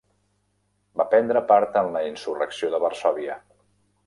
Va prendre part en la Insurrecció de Varsòvia.